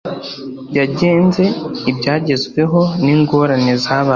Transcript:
Yagenze ibyagezweho n ingorane zabayeho